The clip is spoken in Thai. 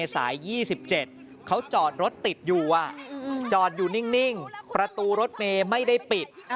สาย๒๗เขาจอดรถติดอยู่จอดอยู่นิ่งประตูรถเมย์ไม่ได้ปิด